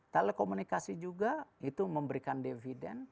telekomunikasi juga itu memberikan dividen